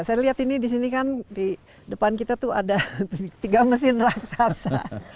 saya lihat ini di sini kan di depan kita tuh ada tiga mesin raksasa